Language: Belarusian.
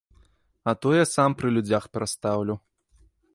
А то я сам пры людзях перастаўлю.